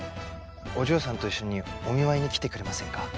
お嬢さんと一緒にお見舞いに来てくれませんか？